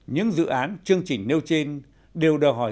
những dự án chương trình nêu trên đều đòi hỏi